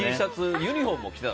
ユニホームを着てた。